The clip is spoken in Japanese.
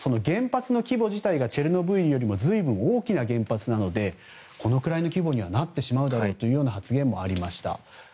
原発の規模自体がチェルノブイリよりもずいぶん大きな原発なのでこれくらいの規模にはなってしまうだろうという発言もありました。